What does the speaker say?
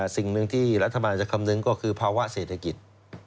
สิ่งหนึ่งที่รัฐบาลจะคำนึงก็คือภาวะเศรษฐกิจ